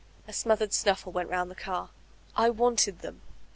A smothered snuffle went romid the car. I wanted them.